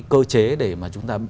cơ chế để mà chúng ta